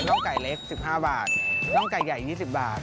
อกไก่เล็ก๑๕บาทน่องไก่ใหญ่๒๐บาท